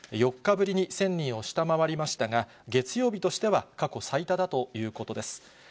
４日ぶりに１０００人を下回りましたが、月曜日としては過去最多だということです。